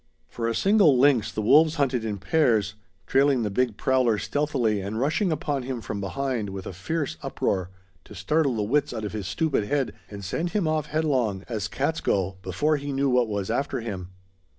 For a single lynx the wolves hunted in pairs, trailing the big prowler stealthily and rushing upon him from behind with a fierce uproar to startle the wits out of his stupid head and send him off headlong, as cats go, before he knew what was after him.